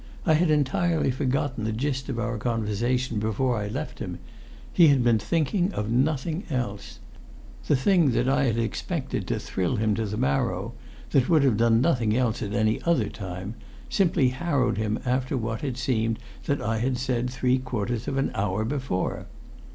I had entirely forgotten the gist of our conversation before I left him; he had been thinking of nothing else. The thing that I had expected to thrill him to the marrow, that would have done nothing else at any other time, simply harrowed him after what it seemed that I had said three quarters of an hour before.